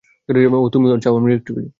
ওহ, তুমি চাও আমি রিয়্যাক্ট করি।